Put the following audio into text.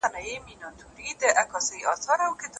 لږګړی وروسته یې خپل ښکلي او غښتلي وزرونه وغوړول